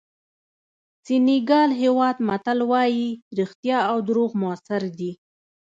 د سینیګال هېواد متل وایي رښتیا او دروغ موثر دي.